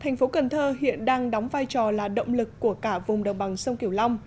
thành phố cần thơ hiện đang đóng vai trò là động lực của cả vùng đồng bào